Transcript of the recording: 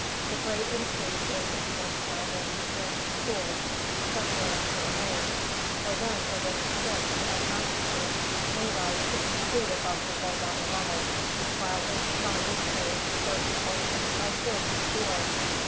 The great increase is of course found in the streams and pools, especially after a rain, for then the River Styx of Mammoth Cave may rise 60 feet above the low water level, while in Shawnee Cave certain portions are filled to the ceiling.